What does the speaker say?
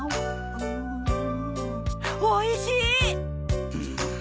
おいしい！